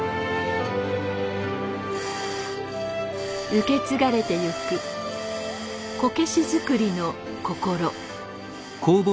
受け継がれてゆくこけし作りの心。